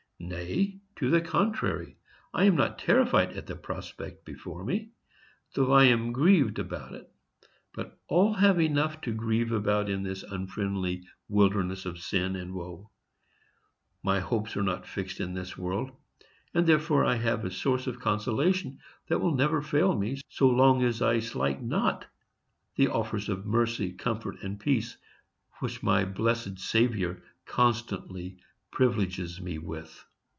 Nay, to the contrary, I am not terrified at the prospect before me, though I am grieved about it; but all have enough to grieve about in this unfriendly wilderness of sin and woe. My hopes are not fixed in this world, and therefore I have a source of consolation that will never fail me, so long as I slight not the offers of mercy, comfort and peace, which my blessed Saviour constantly privileges me with.